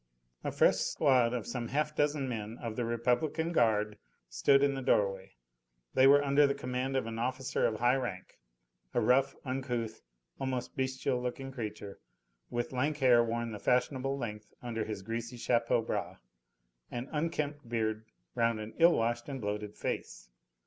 A fresh squad of some half dozen men of the Republican Guard stood in the doorway; they were under the command of an officer of high rank, a rough, uncouth, almost bestial looking creature, with lank hair worn the fashionable length under his greasy chapeau bras, and unkempt beard round an ill washed and bloated face.